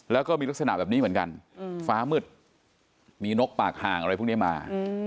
แล้วก็มีลักษณะแบบนี้เหมือนกันฟ้ามืดมีนกปากห่างอะไรพวกนี้มา